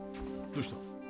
どうした？